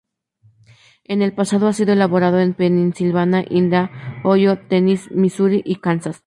En el pasado, ha sido elaborado en Pensilvania, Indiana, Ohio, Tennessee, Misuri y Kansas.